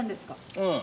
うん。